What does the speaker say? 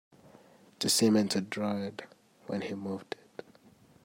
The cement had dried when he moved it.